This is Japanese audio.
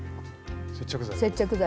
接着剤。